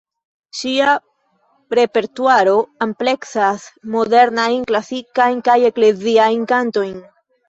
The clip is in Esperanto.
Ŝia repertuaro ampleksas modernajn, klasikajn kaj ekleziajn kantojn.